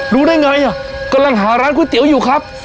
รู้ได้ไงอ่ะกำลังหาร้านก๋วยเตี๋ยวอยู่ครับ